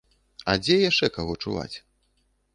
А дзе яшчэ каго чуваць?